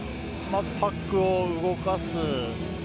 まずパックを動かす。